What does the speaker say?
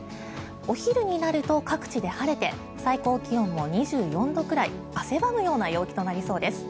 お昼になると各地で晴れて最高気温も２４度くらい汗ばむような陽気となりそうです。